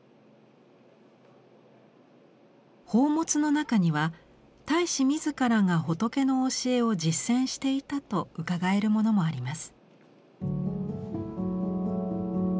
宝物の中には太子自らが仏の教えを実践していたとうかがえるものもあります。